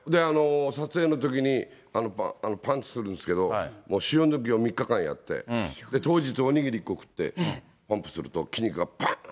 撮影のときに、パンチするんですけど、塩抜きを３日間やって、当日おにぎり１個食って、パンプすると筋肉がぱん。